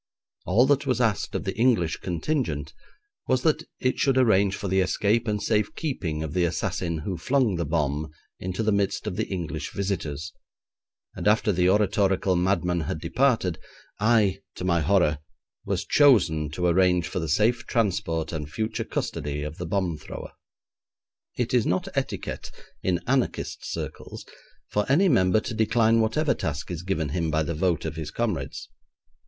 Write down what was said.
All that was asked of the English contingent was that it should arrange for the escape and safe keeping of the assassin who flung the bomb into the midst of the English visitors, and after the oratorical madman had departed, I, to my horror, was chosen to arrange for the safe transport and future custody of the bomb thrower. It is not etiquette in anarchist circles for any member to decline whatever task is given him by the vote of his comrades.